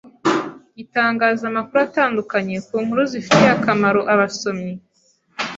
gitangaza amakuru atandukanye ku nkuru zifitiye akamaro abasomyi